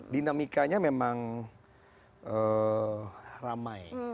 dinamikanya memang ramai